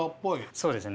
そうですね。